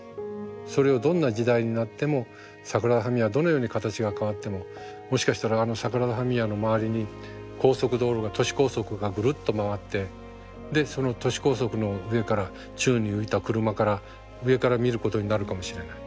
それをどんな時代になってもサグラダ・ファミリアがどのように形が変わってももしかしたらあのサグラダ・ファミリアの周りに高速道路が都市高速がぐるっと回ってでその都市高速の上から宙に浮いた車から上から見ることになるかもしれない。